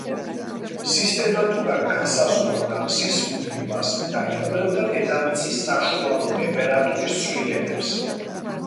სისტემატურად განსაზღვრავდა მზის მუდმივას და იკვლევდა დედამიწის საშუალო ტემპერატურის ცვლილებებს.